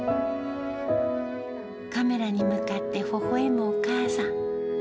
カメラに向かってほほえむお母さん。